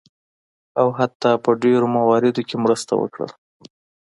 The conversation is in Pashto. او حتی په ډیرو مواردو کې مرسته وکړله.